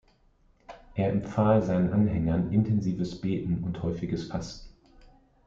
Er empfahl seinen Anhängern intensives Beten und häufiges Fasten.